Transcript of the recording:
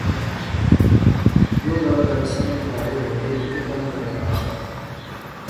یو گل دراصل مہاڑے ہولے نکے پن نا اظہار سا